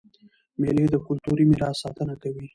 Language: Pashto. مېلې د کلتوري میراث ساتنه کوي.